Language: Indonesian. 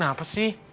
polanya bareng yah